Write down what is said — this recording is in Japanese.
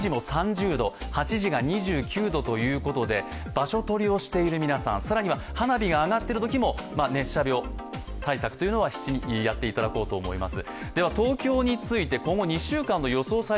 場所取りをしている皆さん、更には花火が上がっているときも熱射病対策というのはやっていただこうと思います。